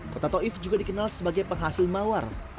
kota taif juga dikenal sebagai penghasil mawar